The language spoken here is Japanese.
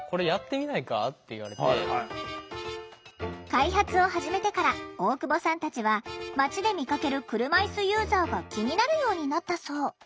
開発を始めてから大久保さんたちは街で見かける車いすユーザーが気になるようになったそう。